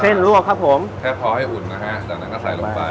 ลวกครับผมแค่คอให้อุ่นนะฮะจากนั้นก็ใส่ลงไป